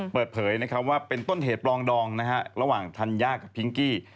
เปิดเผยนะครับว่าเป็นต้นเหตุปลองดองระหว่างธัญญากับพิงกี้